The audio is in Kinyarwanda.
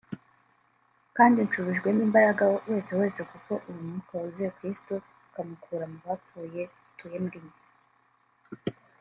kandi nshubijwemo imbaraga wese wese kuko uwo Mwuka wazuye Kristo akamukura mu bapfuye atuye muri jye